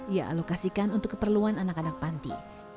ia alokasikan untuk keperluan anak anak panti